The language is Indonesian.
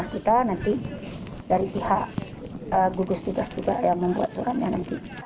kita nanti dari pihak gugus tugas juga yang membuat suratnya nanti